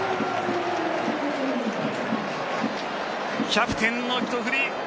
キャプテンのひと振り。